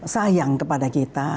sayang kepada kita